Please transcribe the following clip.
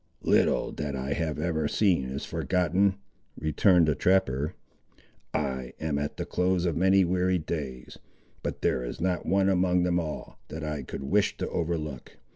"Little that I have ever seen is forgotten," returned the trapper: "I am at the close of many weary days, but there is not one among them all, that I could wish to overlook.